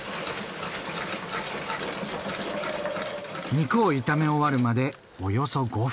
肉を炒め終わるまでおよそ５分。